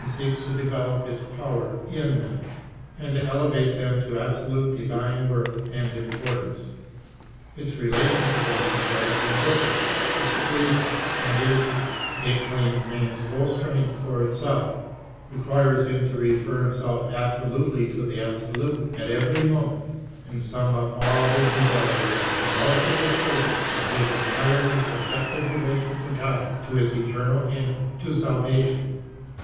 seeks to develop its power in them, and to elevate them to absolute divine worth and importance ; its. relation to them is that of indiffer ence, exclusion, negation ; it claims man's whole strength for itself, requires him to refer himself absolutely to the absolute at every moment, and sum up all his desires in a convulsive assertion of his entirely subjective relation to God, to his eternal end, to salvation.